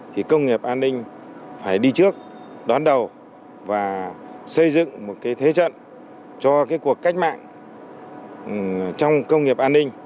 thì công nghiệp an ninh phải đi trước đón đầu và xây dựng một cái thế trận cho cái cuộc cách mạng trong công nghiệp an ninh